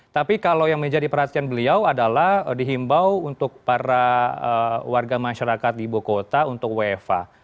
tapi kalau yang menjadi perhatian beliau adalah dihimbau untuk para warga masyarakat di ibu kota untuk wfa